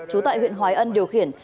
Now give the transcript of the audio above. chú tại huyện hói ân điều khiển